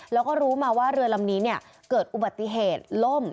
แล้วก็รู้มาว่าเรือลำนี้เกิดอุบัติเหตุล่ม